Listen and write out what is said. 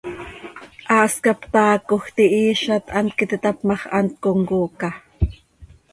Haas cap taacoj, tihiizat, hant quih iti tap ma x, hant comcooca.